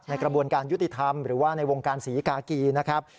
กระบวนการยุติธรรมหรือว่าในวงการศรีกากีนะครับ